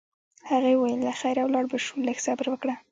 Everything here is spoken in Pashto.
هغې وویل: له خیره ولاړ به شو، لږ صبر وکړه.